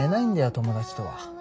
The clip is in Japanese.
友達とは。